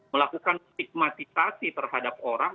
melakukan stigmatisasi terhadap orang